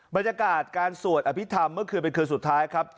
บรรยากาศการสวดอภิษฐรรมเมื่อคืนเป็นคืนสุดท้ายครับ